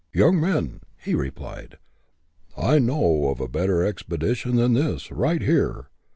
" Young men/' he replied, " I know o'f a better expedition than this, right here.